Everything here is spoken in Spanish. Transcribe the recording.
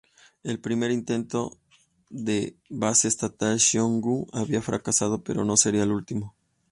El primer intento de base estatal xiongnu había fracasado, pero no sería el último.